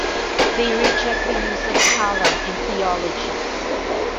They reject the use of kalam in theology.